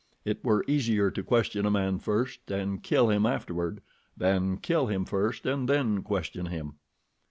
It were easier to question a man first and kill him afterward, than kill him first and then question him.